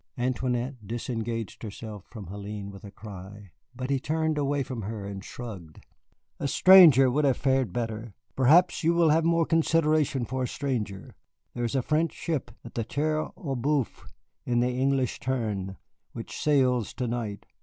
Antoinette disengaged herself from Hélène with a cry, but he turned away from her and shrugged. "A stranger would have fared better. Perhaps you will have more consideration for a stranger. There is a French ship at the Terre aux Bœufs in the English Turn, which sails to night.